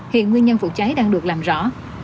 hiện nguyên nhân vụ cháy đang được làm rõ